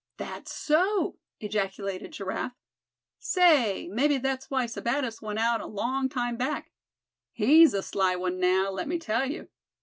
"That's so!" ejaculated Giraffe. "Say, mebbe that's why Sebattis went out a long time back. He's the sly one, now, let me tell you.